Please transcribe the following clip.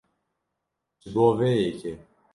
Ji bo vê yekê